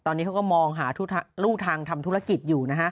ตอนนี้เขาก็มองหาลูกทางทำธุรกิจอยู่นะฮะ